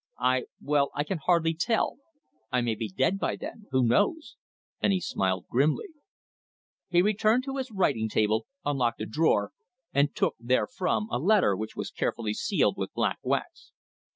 "I well, I can hardly tell. I may be dead by then who knows?" And he smiled grimly. He returned to his writing table, unlocked a drawer, and took therefrom a letter which was carefully sealed with black wax.